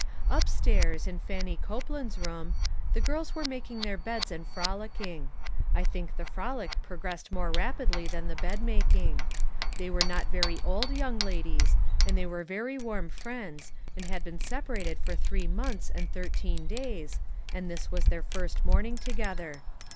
Up stairs, in Fannie Copeland's room, the girls were making their beds and frolicking. I think the frolic progressed more rapidly than the bed making. They were not very old young ladies, and they were very warm friends, and had been separated for three months and thirteen days, and this was their first morning together.